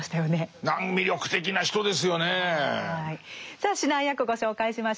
さあ指南役ご紹介しましょう。